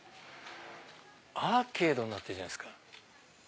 アーケードになってるじゃないですか。